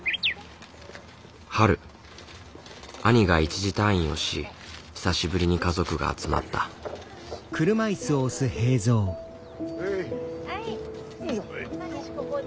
春兄が一時退院をし久しぶりに家族が集まった武志ここに。